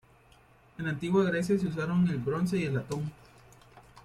En la antigua Grecia se usaron el bronce y el latón.